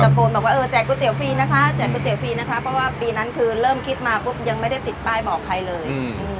โกนบอกว่าเออแจก๋วเตี๋ฟรีนะคะแจก๋วเตี๋ฟรีนะคะเพราะว่าปีนั้นคือเริ่มคิดมาปุ๊บยังไม่ได้ติดป้ายบอกใครเลย